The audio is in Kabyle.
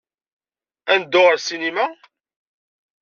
Ad neddu ɣer ssinima?